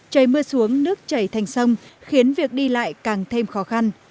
trời mưa xuống nước chảy thành sông khiến việc đi lại càng thêm khó khăn